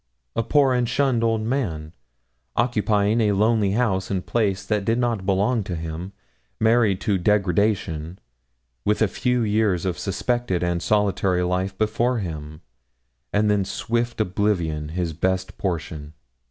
A poor and shunned old man, occupying a lonely house and place that did not belong to him, married to degradation, with a few years of suspected and solitary life before him, and then swift oblivion his best portion.